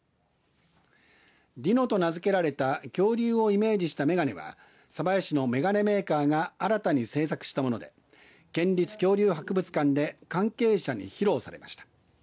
ＤＩＮＯと名付けられた恐竜をイメージした眼鏡は鯖江市の眼鏡メーカーが新たに製作したもので県立恐竜博物館で関係者に披露されました。